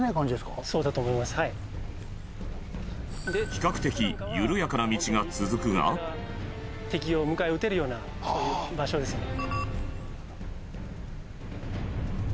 比較的緩やかな道が続くが本岡さん：敵を迎え撃てるようなそういう場所ですね。